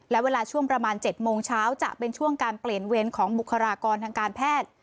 และเวลาช่วงประมาณ๗โมงเช้าจะเป็นช่วงการเปลี่ยนเวรของบุคลากรทางการแพทย์